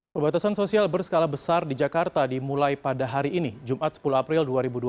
pembatasan sosial berskala besar di jakarta dimulai pada hari ini jumat sepuluh april dua ribu dua puluh